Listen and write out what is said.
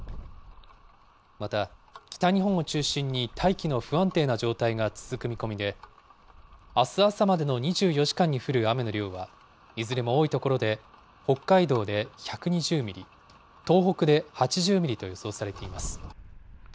また、北日本を中心に大気の不安定な状態が続く見込みで、あす朝までの２４時間に降る雨の量はいずれも多い所で北海道で１２０ミリ、東北で８０ミリと予想されています。